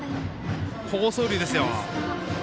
好走塁ですよ。